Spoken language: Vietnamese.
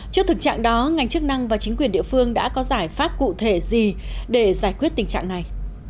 trước thực trạng đó ngành chức năng và chính quyền địa phương đã có giải pháp cụ thể gì để giải quyết tình trạng này